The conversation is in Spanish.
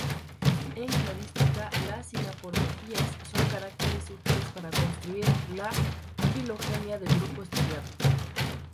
En cladística, las sinapomorfías son caracteres útiles para construir la filogenia del grupo estudiado.